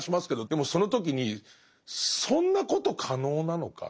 でもその時にそんなこと可能なのか？